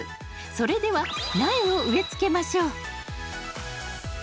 それでは苗を植え付けましょう。